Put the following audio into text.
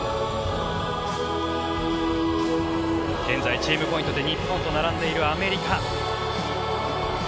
現在、チームポイントで日本と並んでいるアメリカ。